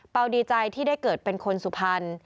ดีใจที่ได้เกิดเป็นคนสุพรรณ